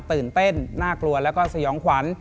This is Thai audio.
ตื่นเต้นน่ากลัวแล้วก็สยองขวัญ